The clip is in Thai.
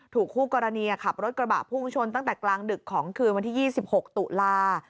คู่กรณีขับรถกระบะพุ่งชนตั้งแต่กลางดึกของคืนวันที่๒๖ตุลา